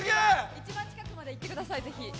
一番近くまで行ってください、ぜひ。